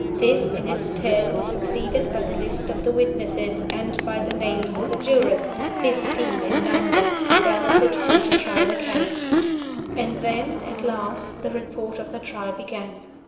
This, in its turn, was succeeded by the list of the witnesses, and by the names of the jurors (fifteen in number) balloted for to try the case. And then, at last, the Report of the Trial began.